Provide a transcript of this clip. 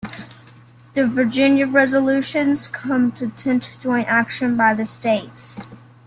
The Virginia Resolutions contemplate joint action by the states.